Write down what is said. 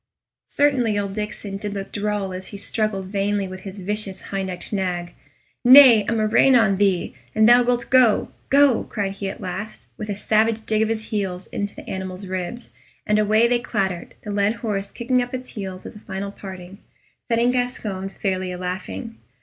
Certainly old Diccon did look droll as he struggled vainly with his vicious high necked nag. "Nay, a murrain on thee! an' thou wilt go, go!" cried he at last, with a savage dig of his heels into the animal's ribs, and away they clattered, the led horse kicking up its heels as a final parting, setting Gascoyne fairly alaughing.